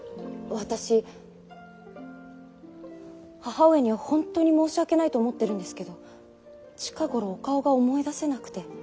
私母上には本当に申し訳ないと思ってるんですけど近頃お顔が思い出せなくて。